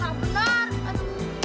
jangan tidak tidak